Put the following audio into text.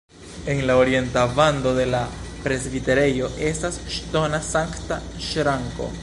En la orienta vando de la presbiterejo estas ŝtona sankta ŝranko.